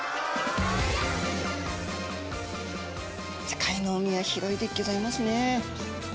世界の海は広いでギョざいますね。